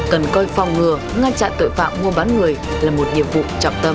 cần coi phòng ngừa ngăn chặn tội phạm mua bán người là một nhiệm vụ trọng tâm